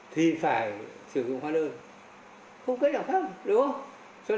thì phải sử dụng hóa đơn không cách nào khác đúng không